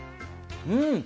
うん！